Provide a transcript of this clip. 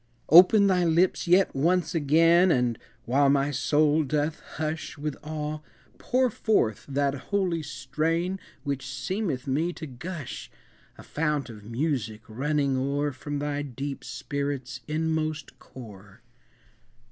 Open thy lips yet once again And, while my soul doth hush With awe, pour forth that holy strain Which seemeth me to gush, A fount of music, running o'er From thy deep spirit's inmost core!